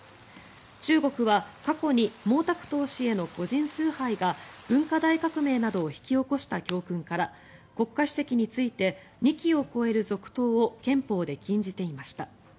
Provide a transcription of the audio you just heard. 中国は過去に毛沢東氏への個人崇拝が文化大革命などを引き起こした教訓から国家主席について２期を超える続投を憲法で禁じていました。